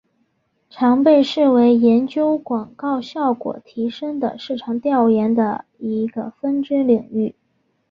常被视为研究广告效果提升的市场调研的一个分支领域。